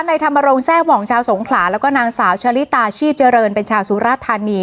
ธรรมรงคร่หว่องชาวสงขลาแล้วก็นางสาวชะลิตาชีพเจริญเป็นชาวสุราธานี